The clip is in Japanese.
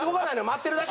待ってるだけ。